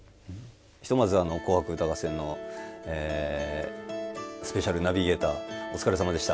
ひとまず、「紅白歌合戦」のスペシャルナビゲーターお疲れさまでした。